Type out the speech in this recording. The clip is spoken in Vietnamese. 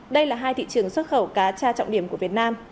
đây là hai thị trường xuất khẩu cá tra trọng điểm của việt nam